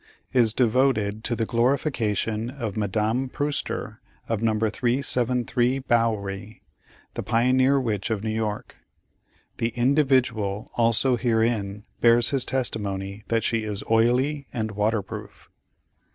Is devoted to the glorification of Madame Prewster of No. 373 Bowery, the Pioneer Witch of New York. The "Individual" also herein bears his testimony that she is oily and water proof.